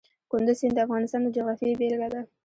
کندز سیند د افغانستان د جغرافیې بېلګه ده.